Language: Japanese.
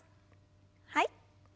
はい。